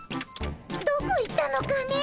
どこ行ったのかね。